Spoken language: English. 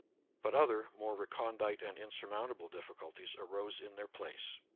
But other, more recondite and insurmountable, difficulties arose in their place.